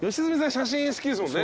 写真好きですもんね。